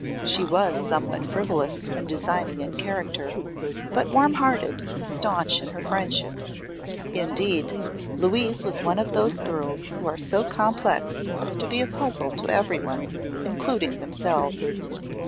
She was somewhat frivolous and designing in character, but warm hearted and staunch in her friendships. Indeed, Louise was one of those girls who are so complex as to be a puzzle to everyone, including themselves.